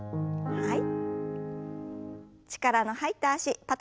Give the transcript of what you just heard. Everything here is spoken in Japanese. はい。